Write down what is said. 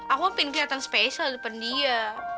aku mau pengen kelihatan spesial depan dia